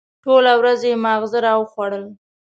ټوله ورځ یې ماغزه را وخوړل.